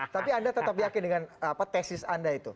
tapi anda tetap yakin dengan tesis anda itu